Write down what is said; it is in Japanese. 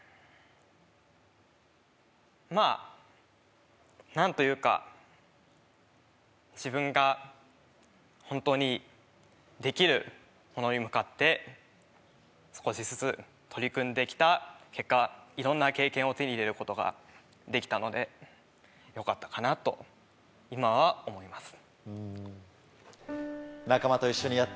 まぁ何というか自分が本当にできるものに向かって少しずつ取り組んで来た結果いろんな経験を手に入れることができたのでよかったかなと今は思います。